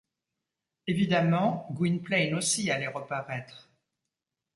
Évidemment Gwynplaine aussi allait reparaître.